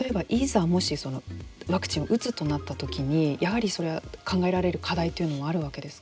例えば、いざ、もしワクチンを打つとなった時にやはりそれは考えられる課題というのもあるわけですか。